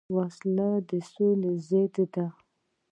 وسله د سولې ضد ده